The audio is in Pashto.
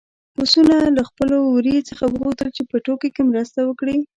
پسونو له خپل وري څخه وغوښتل چې په ټوکو کې مرسته وکړي.